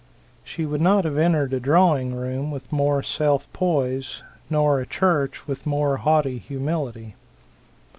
She would not have entered a drawing room with more self poise, nor a church with more haughty humility.